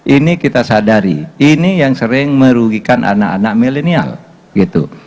ini kita sadari ini yang sering merugikan anak anak milenial gitu